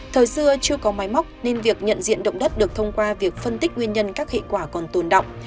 thời xưa chưa có máy móc nên việc nhận diện động đất được thông qua việc phân tích nguyên nhân các hệ quả còn tồn động